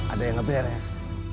ada yang ngeberes